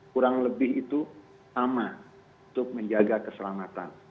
kurang lebih itu sama untuk menjaga keselamatan